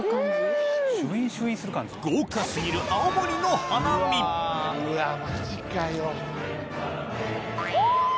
豪華過ぎる青森の花見ほぉ！